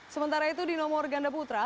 sementara itu di nomor ganda putra